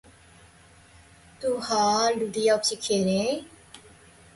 He was a person